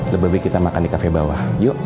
lebih baik kita makan di kafe bawah yuk